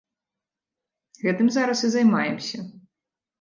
Гэтым зараз і займаемся.